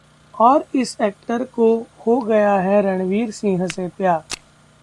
...और इस एक्टर को हो गया है रणवीर सिंह से प्यार